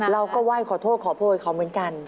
เราก็ไหว้ขอโทษขอโพยเขาเหมือนกัน